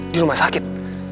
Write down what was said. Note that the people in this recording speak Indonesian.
di rumah sakit